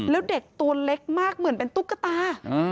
แล้วเด็กตัวเล็กมากเหมือนเป็นตุ๊กตา